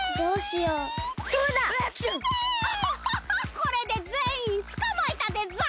これでぜんいんつかまえたでざます。